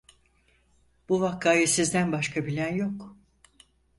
Bu vakayı sizden başka bilen yok.